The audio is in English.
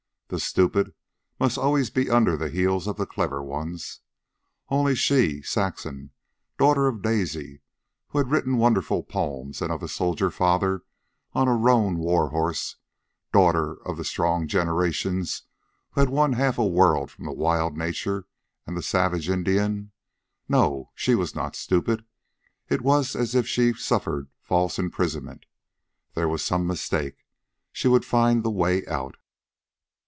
The stupid must always be under the heels of the clever ones. Only she, Saxon, daughter of Daisy who had written wonderful poems and of a soldier father on a roan war horse, daughter of the strong generations who had won half a world from wild nature and the savage Indian no, she was not stupid. It was as if she suffered false imprisonment. There was some mistake. She would find the way out.